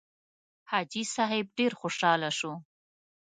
حاجي صیب ډېر خوشاله شو.